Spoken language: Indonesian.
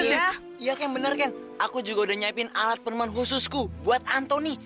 iya iya kayak bener kan aku juga udah nyepin alat peneman khusus ku buat anthony